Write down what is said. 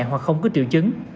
hoặc không có triệu chứng